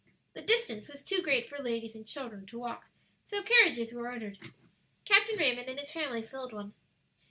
The distance was too great for ladies and children to walk, so carriages were ordered. Captain Raymond and his family filled one.